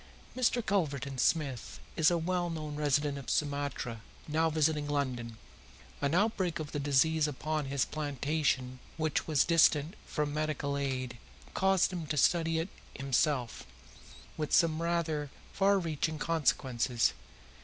Mr. Culverton Smith is a well known resident of Sumatra, now visiting London. An outbreak of the disease upon his plantation, which was distant from medical aid, caused him to study it himself, with some rather far reaching consequences.